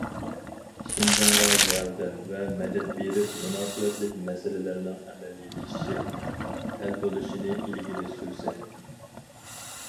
شىنجاڭغا ياردەم ۋە مەدەت بېرىپ، مۇناسىۋەتلىك مەسىلىلەرنىڭ ئەمەلىيلىشىشى، ھەل بولۇشىنى ئىلگىرى سۈرسە.